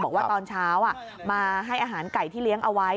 บอกว่าตอนเช้ามาให้อาหารไก่ที่เลี้ยงเอาไว้